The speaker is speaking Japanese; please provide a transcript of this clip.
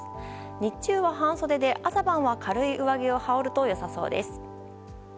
日中は半袖で朝晩は軽い上着を羽織ると良さそうです。